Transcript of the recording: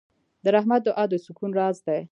د رحمت دعا د سکون راز دی.